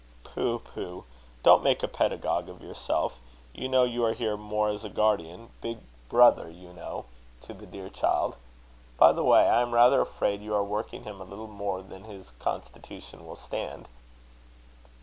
"Pooh! pooh! Don't make a pedagogue of yourself. You know you are here more as a guardian big brother, you know to the dear child. By the way, I am rather afraid you are working him a little more than his constitution will stand."